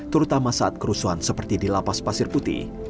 terutama saat kerusuhan seperti di lapas pasir putih